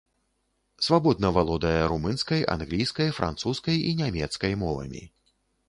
Свабодна валодае румынскай, англійскай, французскай і нямецкай мовамі.